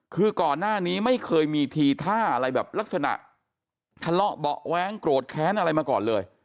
คือก่อนหน้านี้ไม่เคยมีทีท่าอะไรแบบลักษณะทะเลาะเบาะแว้งโกรธแค้นอะไรมาก่อนเลย